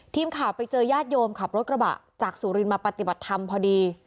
ทีมข่าวไปเจอญาติโยมขับรถกระบะจากสุรินมาปฏิบัติธรรมพอดี